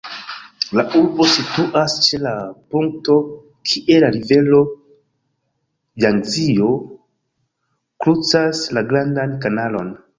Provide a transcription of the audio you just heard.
La urbo situas ĉe la punkto kie la rivero Jangzio krucas la Grandan Kanalon.